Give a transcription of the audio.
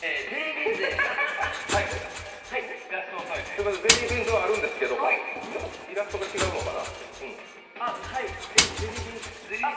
すみません、ゼリービーンズはあるんですけど、イラストが違うのかな。